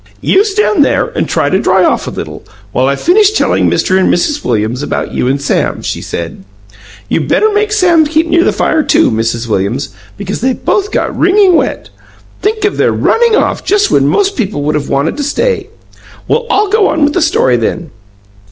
"You stand there and try to dry off a little, while I finish telling Mr. and Mrs. Williams about you and Sam," she said. "You'd better make Sam keep near the fire, too, Mrs. Williams, because they both got wringing wet. Think of their running off just when most people would have wanted to stay! Well, I'll go on with the story, then.